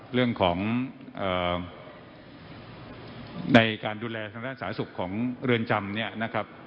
เรื่องของการดูแลทางด้านสาธารณสุขของเรือนจำเนี่ยนะครับ